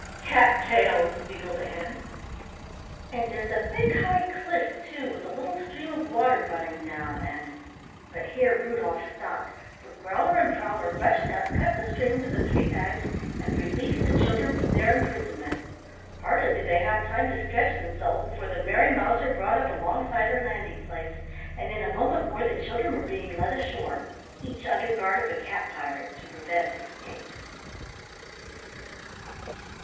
"Cattails!" giggled Ann. "And there's a big high cliff, too, with a little stream of water running down, and " But here Rudolf stopped, for Growler and Prowler rushed up, cut the strings of the three bags, and released the children from their imprisonment. Hardly did they have time to stretch themselves before the Merry Mouser brought up alongside her landing place, and in a moment more the children were being led ashore, each under guard of a cat pirate to prevent escape.